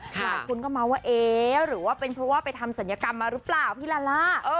หลายคนก็เมาส์ว่าเอ๊ะหรือว่าเป็นเพราะว่าไปทำศัลยกรรมมาหรือเปล่าพี่ลาล่า